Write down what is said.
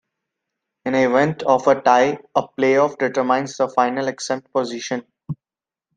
In the event of a tie, a playoff determines the final exempt position.